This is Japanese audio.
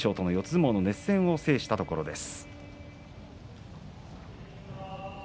相撲の熱戦を制したところです。